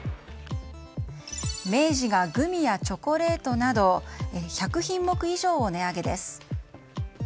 明治がグミやチョコレートなど１００品目以上を値上げです。